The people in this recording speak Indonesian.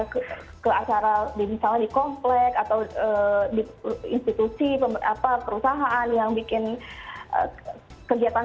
jadi ke acara misalnya di komplek atau di institusi perusahaan yang bikin kegiatan